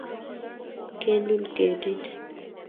kelul ketit